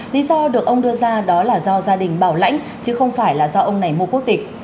lý do được ông đưa ra đó là do gia đình bảo lãnh chứ không phải là do ông này mua quốc tịch